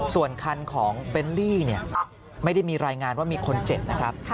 ส่วนคันของเบลลี่ไม่ได้มีรายงานว่ามีคนเจ็บนะครับ